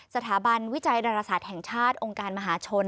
สถาบันวิจัยดาราศาสตร์แห่งชาติองค์การมหาชน